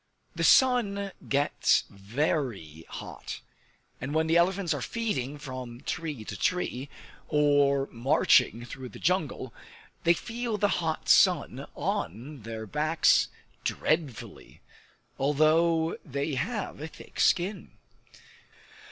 The sun gets very hot, and when the elephants are feeding from tree to tree, or marching through the jungle, they feel the hot sun on their backs dreadfully although they have a thick skin.